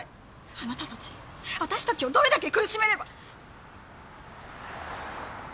あなたたち私たちをどれだけ苦しめれば。